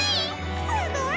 すごい！